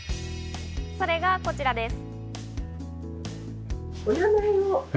それがこちらです。